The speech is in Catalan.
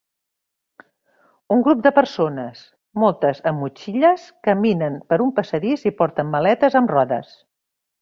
Un grup de persones, moltes amb motxilles, caminen per un passadís i porten maletes amb rodes.